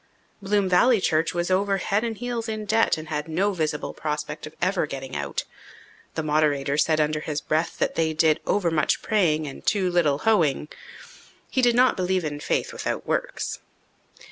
Bloom Valley church was over head and heels in debt and had no visible prospect of ever getting out. The moderator said under his breath that they did over much praying and too little hoeing. He did not believe in faith without works.